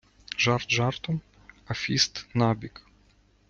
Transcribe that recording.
Жарт жартом, а фіст набік.